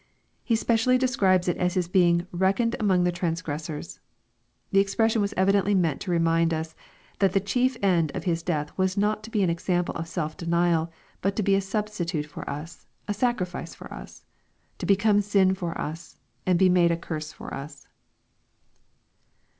He specially describes it as His being " reckoned among the transgressors." The expres sion was evidently meant to remind us, that the chief end of His death was not to be an example of self denial, but to be a substi tute for us, — ^a sacrifice for us, — to become sin for us, and be made a ourse for us.